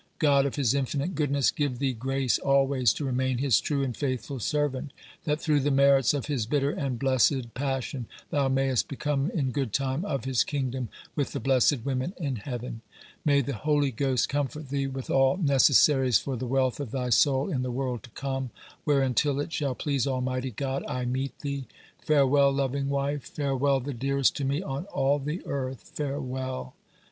God of his infinite goodness give thee grace alwaies to remain his true and faithfull servant, that through the merits of his bitter and blessed passion thou maist become in good time of his kingdom with the blessed women in heaven. May the Holy Ghost comfort thee with all necessaries for the wealth of thy soul in the world to come, where, until it shall please almighty God I meete thee, farewell lovinge wife, farewell the dearest to me on all the earth, farewell!